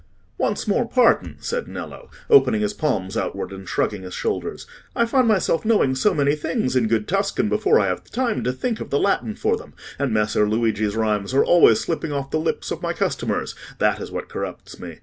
"Once more, pardon," said Nello, opening his palms outwards, and shrugging his shoulders, "I find myself knowing so many things in good Tuscan before I have time to think of the Latin for them; and Messer Luigi's rhymes are always slipping off the lips of my customers:—that is what corrupts me.